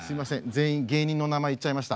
全員芸人の名前言っちゃいました。